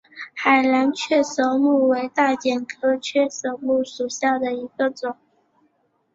海南雀舌木为大戟科雀舌木属下的一个种。